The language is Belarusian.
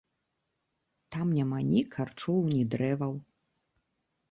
Там няма ні карчоў, ні дрэваў.